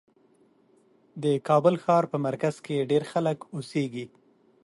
د کابل ښار په مرکز کې ډېر خلک اوسېږي.